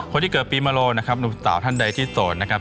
คนที่เกิดปีมโลนะครับหนุ่มสาวท่านใดที่โสดนะครับ